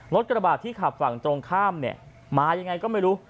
กระบาดที่ขับฝั่งตรงข้ามเนี่ยมายังไงก็ไม่รู้